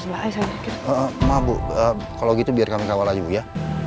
sebentar saya mau kalau gitu biar kamu kawal aja ya